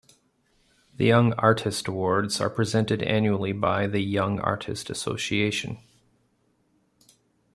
The Young Artist Awards are presented annually by the Young Artist Association.